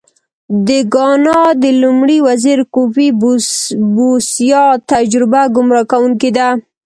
د ګانا د لومړي وزیر کوفي بوسیا تجربه ګمراه کوونکې ده.